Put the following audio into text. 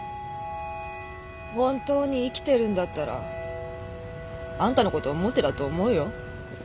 本当に生きてるんだったらあんたのこと思ってだと思うよ。